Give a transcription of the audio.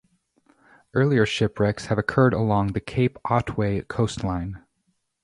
Earlier shipwrecks have occurred along the Cape Otway coastline.